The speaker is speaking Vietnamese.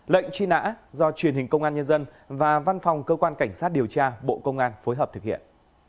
lệnh truy nã do truyền hình công an nhân dân và văn phòng cơ quan cảnh sát điều tra bộ công an phối hợp thực hiện